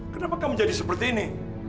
kenapa kamu menjadi seperti ini